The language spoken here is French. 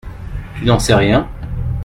Tu n’en sais rien ?